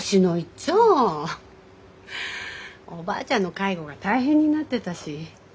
おばあちゃんの介護が大変になってたし。